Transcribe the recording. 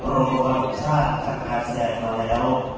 ร่องชาติชาติแสงมาแล้ว